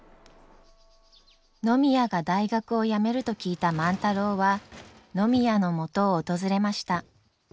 野宮が大学を辞めると聞いた万太郎は野宮のもとを訪れました。